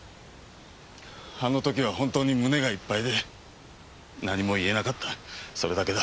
あの時は本当に胸がいっぱいで何も言えなかったそれだけだ。